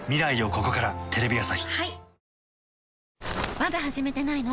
まだ始めてないの？